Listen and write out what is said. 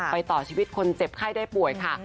ต่อชีวิตคนเจ็บไข้ได้ป่วยค่ะ